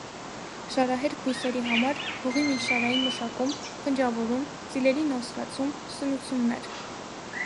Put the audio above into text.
Շարահերկ բույսերի համար՝ հողի միջշարային մշակում, փնջավորում, ծիլերի նոսրացում, սնուցումներ։